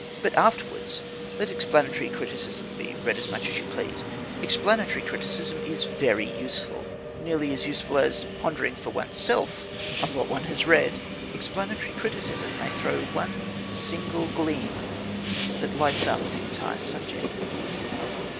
But afterwards let explanatory criticism be read as much as you please. Explanatory criticism is very useful; nearly as useful as pondering for oneself on what one has read! Explanatory criticism may throw one single gleam that lights up the entire subject.